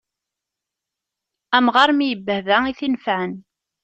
Amɣar mi ibbehba, i t-inefɛen.